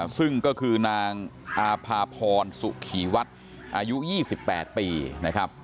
ซึ่งก็คือนางอาภาพรสุขีวัดอายุ๒๘ปีนะครับ